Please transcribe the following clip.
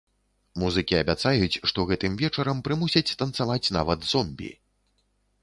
Музыкі абяцаюць, што гэтым вечарам прымусяць танцаваць нават зомбі.